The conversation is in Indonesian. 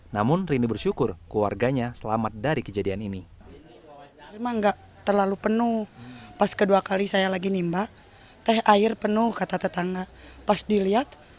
namun rini bersyukur keluarganya selamat dari kejadian ini